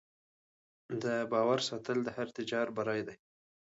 د باور ساتل د هر تجارت بری دی.